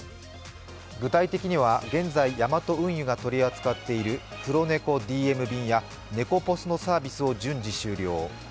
具体的には現在、ヤマト運輸が取り扱っているクロネコＤＭ便やネコポスのサービスを順次終了。